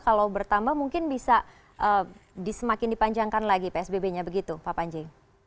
kalau bertambah mungkin bisa semakin dipanjangkan lagi psbb nya begitu pak panji